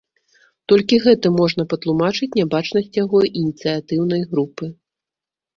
Толькі гэтым можна патлумачыць нябачнасць яго ініцыятыўнай групы.